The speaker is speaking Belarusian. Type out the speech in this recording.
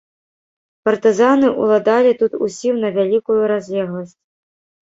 Партызаны ўладалі тут усім на вялікую разлегласць.